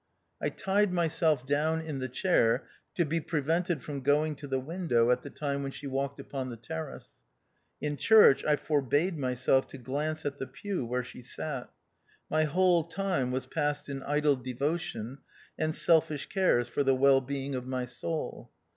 I tied myself down in the chair to be prevented from going to the window at the time when she walked upon the terrace. In church I forbade my self to glance at the pew where she sat. My whole time was passed in idle devotion, and selfish cares for the wellbeing of my soul.